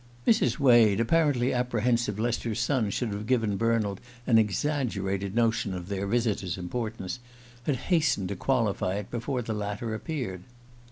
Mrs. Wade, apparently apprehensive lest her son should have given Bernald an exaggerated notion of their visitor's importance, had hastened to qualify it before the latter appeared.